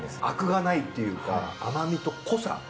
アクがないっていうか甘みと濃さ。